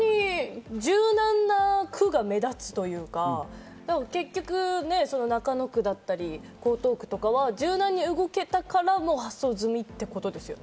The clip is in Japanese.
本当に柔軟な区が目立つというか、結局、中野区だったり江東区とかは柔軟に動けたから発送済みってことですよね。